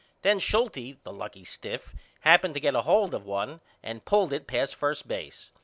Then Schulte the lucky stiff happened to get a hold of one and pulled it past first base.